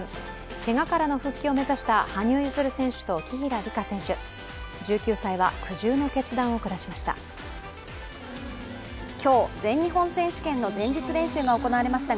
けがからの復帰を目指した羽生結弦選手と紀平梨花選手、１９歳は苦渋の決断を下しました。